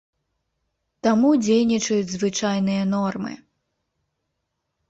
Таму дзейнічаюць звычайныя нормы.